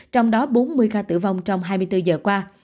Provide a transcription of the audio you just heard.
trong đó bốn mươi ca tử vong trong hai mươi bốn giờ qua